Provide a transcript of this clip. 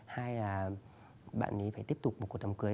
hai là bạn ấy phải tiếp tục một cuộc đám cưới